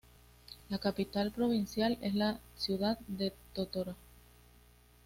La capital provincial es la ciudad de Totora.